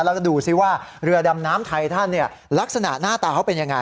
แล้วก็ดูซิว่าเรือดำน้ำไทยท่านลักษณะหน้าตาเขาเป็นยังไง